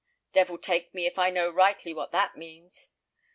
Devil take me if I know rightly what that means!